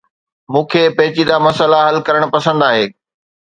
مون کي پيچيده مسئلا حل ڪرڻ پسند آهي